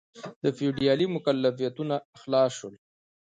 د فیوډالي مکلفیتونو خلاص شول.